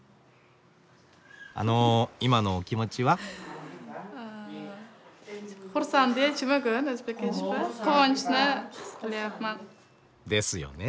あの今のお気持ちは？ですよね。